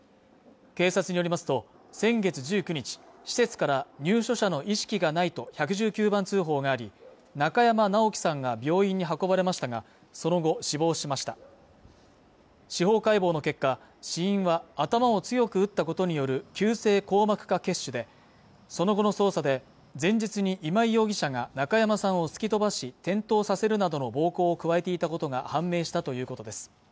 警察によりますと先月１９日施設から入所者の意識がないと１１９番通報があり中山如樹さんが病院に運ばれましたがその後死亡しました司法解剖の結果死因は頭を強く打ったことによる急性硬膜下血腫でその後の捜査で前日に今井容疑者が中山さんを突き飛ばし転倒させるなどの暴行を加えていたことが判明したということです